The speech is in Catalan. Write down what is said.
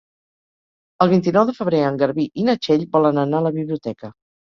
El vint-i-nou de febrer en Garbí i na Txell volen anar a la biblioteca.